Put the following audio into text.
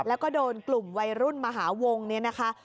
แล้วก็โดนกลุ่มวัยรุ่นมหาวงเนี่ยนะคะ